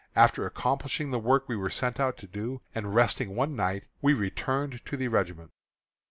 After accomplishing the work we were sent out to do, and resting one night, we returned to the regiment.